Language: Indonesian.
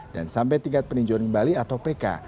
dan sampai tingkat peninjauan bali atau pk